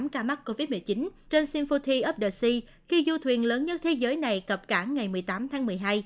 bốn mươi tám ca mắc covid một mươi chín trên symphony of the sea khi du thuyền lớn nhất thế giới này cập cảng ngày một mươi tám tháng một mươi hai